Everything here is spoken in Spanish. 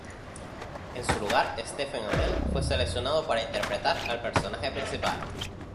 En su lugar, Stephen Amell fue seleccionado para interpretar al personaje principal.